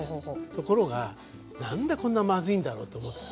ところが何でこんなまずいんだろうと思ってたの。